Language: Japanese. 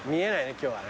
今日はね。